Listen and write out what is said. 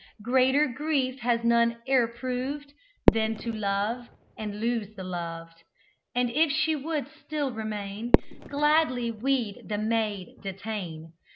Greater grief has none e'er proved Than to love and lose the loved; And if she would still remain, Gladly we'd the maid detain.